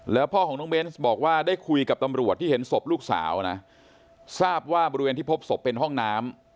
แล้วพ่อของน้องเบนส์บอกว่าได้คุยกับตำรวจที่เห็นศพลูกสาวนะทราบว่าบริเวณที่พบศพเป็นห้องน้ำ